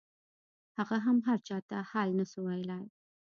هغه هم هرچا ته حال نسو ويلاى.